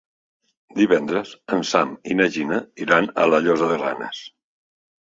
Divendres en Sam i na Gina iran a la Llosa de Ranes.